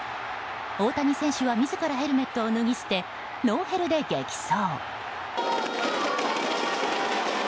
大谷選手は自らヘルメットを脱ぎ捨てノーヘルで激走。